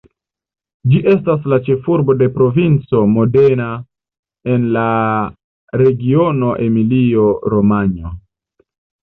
Ĝi estas la ĉefurbo de Provinco Modena en la regiono Emilio-Romanjo.